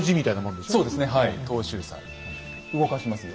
動かしますよ。